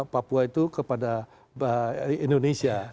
papua itu kepada indonesia